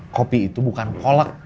kopi itu bukan kolek